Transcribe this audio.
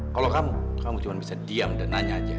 kalau kamu kamu cuma bisa diam dan nanya aja